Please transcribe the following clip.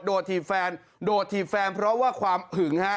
โดดถีบแฟนเพราะว่าความหึง